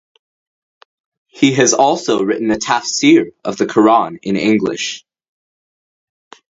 He has also written a Tafseer of the Quran in English.